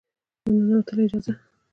د ننوتلو اجازه